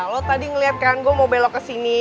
lu tadi ngeliat kan gua mau belok kesini